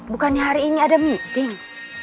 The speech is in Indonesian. bukannya hari ini ada meeting